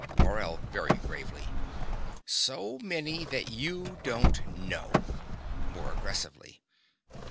MORELL. (very gravely). So many that you don't know. (More aggressively.)